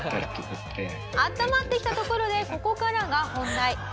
「温まってきたところでここからが本題」